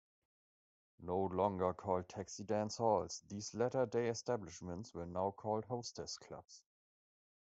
No longer called taxi-dance halls, these latter-day establishments are now called hostess clubs.